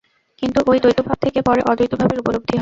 কিন্তু ঐ দ্বৈতভাব থেকে পরে অদ্বৈতভাবের উপলব্ধি হয়।